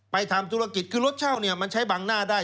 ทำธุรกิจคือรถเช่าเนี่ยมันใช้บังหน้าได้